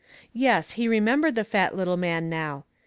Yes, he remembered the fat little man now.